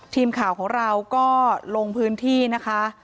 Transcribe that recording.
ทีมข่าวของเราก็ลงพื้นที่นะคะ